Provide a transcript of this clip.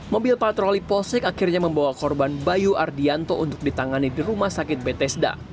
mobil patroli polsek akhirnya membawa korban bayu ardianto untuk ditangani di rumah sakit betesda